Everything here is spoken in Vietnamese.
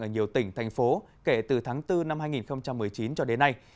ở nhiều tỉnh thành phố kể từ tháng bốn năm hai nghìn một mươi chín cho đến nay